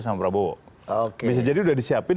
sama prabowo bisa jadi sudah disiapkan